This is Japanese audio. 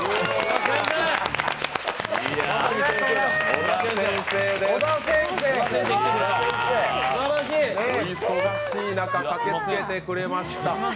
お忙しい中、駆けつけてくださいました。